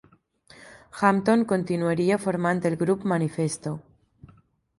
Hampton continuaria formant el grup Manifesto.